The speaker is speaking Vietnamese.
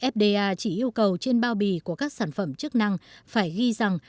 fda chỉ yêu cầu trên bao bì của các sản phẩm chức năng phải ghi rằng